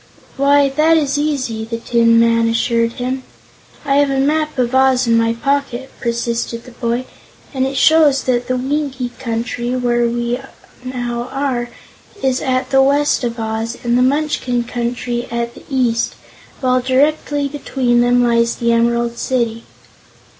"Why, that is easy," the Tin Man assured him. "I have a map of Oz in my pocket," persisted the boy, "and it shows that the Winkie Country, where we now are, is at the west of Oz, and the Munchkin Country at the east, while directly between them lies the Emerald City."